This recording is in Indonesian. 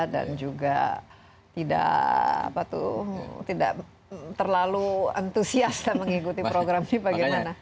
dan juga tidak terlalu entusiasta mengikuti program ini bagaimana